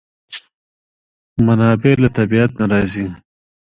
منابع له طبیعت نه راځي.